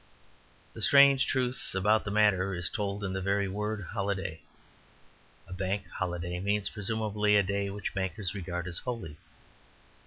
The strange truth about the matter is told in the very word "holiday." A bank holiday means presumably a day which bankers regard as holy.